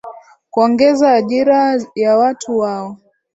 kuongeza ajira ya watu wao